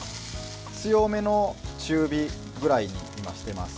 強めの中火ぐらいに今してます。